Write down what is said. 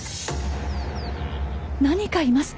何かいます。